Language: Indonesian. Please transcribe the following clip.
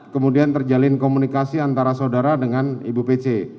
kemudian terjalin komunikasi antara saudara dengan ibu pc